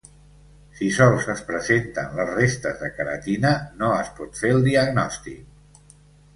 Si sols es presenten les restes de queratina, no es pot fer el diagnòstic.